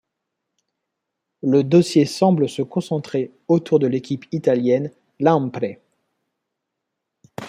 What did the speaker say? Le dossier semble se concentrer autour de l'équipe italienne Lampre.